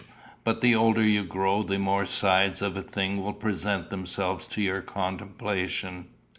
But the older you grow, the more sides of a thing will present themselves to your contemplation.